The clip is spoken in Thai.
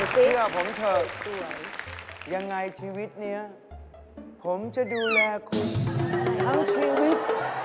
เชื่อผมเถอะยังไงชีวิตนี้ผมจะดูแลคุณทั้งชีวิต